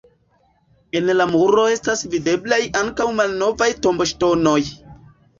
En la muro estas videblaj ankaŭ malnovaj tomboŝtonoj.